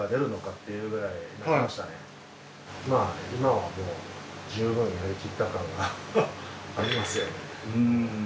今はもう十分やりきった感がありますよね。